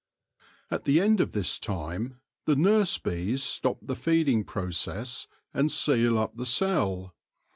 At the end of this time the nurse bees stop the feeding process and seal up the cell.